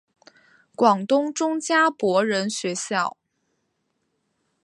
广东中加柏仁学校。